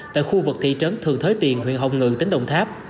tại khu vực thị trấn thường thới tiền huyện hồng ngự tỉnh đồng tháp